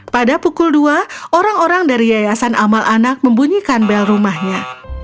pada pukul dua orang orang dari yayasan amal anak membunyikan bel rumahnya